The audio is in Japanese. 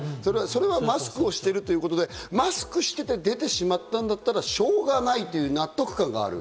それはマスクをしているということで、マスクをしていて出てしまったんだらしょうがないという納得感がある。